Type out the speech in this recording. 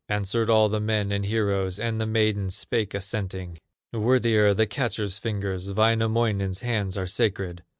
Answered all the men and heroes, And the maidens spake, assenting: "Worthier the catcher's fingers, Wainamoinen's hands are sacred!"